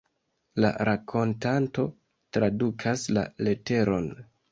La rakontanto tradukas la leteron.